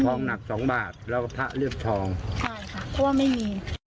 หนักสองบาทแล้วก็พระเลือกทองใช่ค่ะเพราะว่าไม่มี